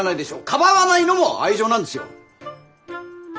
かばわないのも愛情なんですよ。